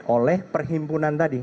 oleh perhimpunan tadi